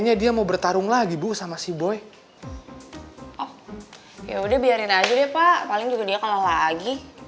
yaudah biarin aja deh pak paling dia kalau lagi